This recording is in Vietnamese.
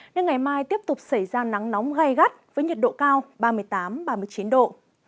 nên ngày mai tiếp tục xảy ra nắng nóng gai gắt với nhiệt độ cao ba mươi tám ba mươi chín độ